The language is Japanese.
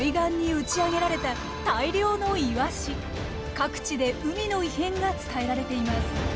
各地で海の異変が伝えられています。